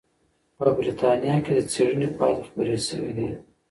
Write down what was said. په بریتانیا کې د څېړنې پایلې خپرې شوې دي.